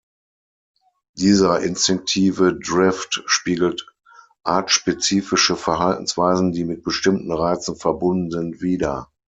Dieser "instinktive drift" spiegelt artspezifische Verhaltensweisen, die mit bestimmten Reizen verbunden sind, wider.